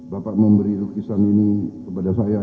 bapak memberi lukisan ini kepada saya